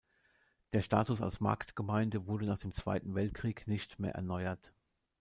Der Status als Marktgemeinde wurde nach dem Zweiten Weltkrieg nicht mehr erneuert.